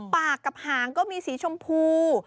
ปากกับหางก็มีสีชมพู